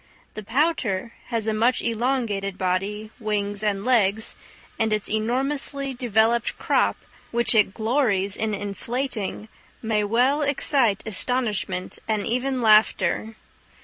The pouter has a much elongated body, wings, and legs; and its enormously developed crop, which it glories in inflating, may well excite astonishment and even laughter.